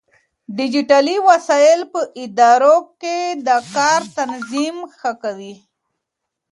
ډيجيټلي وسايل په ادارو کې د کار تنظيم ښه کوي.